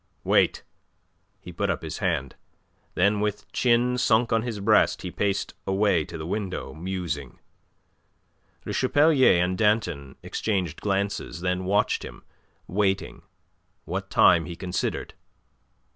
"Wait!" He put up his hand. Then with chin sunk on his breast, he paced away to the window, musing. Le Chapelier and Danton exchanged glances, then watched him, waiting, what time he considered.